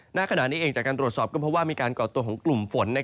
ณขณะนี้เองจากการตรวจสอบก็เพราะว่ามีการก่อตัวของกลุ่มฝน